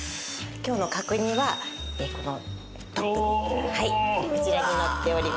今日の角煮はこのトップにはいこちらに載っております。